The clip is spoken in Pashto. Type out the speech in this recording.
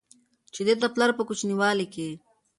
چې ته دې پلار په کوچينوالي کې